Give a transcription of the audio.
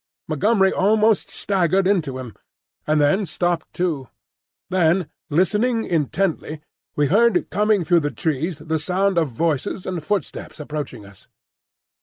Montgomery almost staggered into him, and then stopped too. Then, listening intently, we heard coming through the trees the sound of voices and footsteps approaching us.